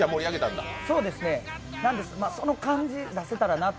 その感じが出せたらなと。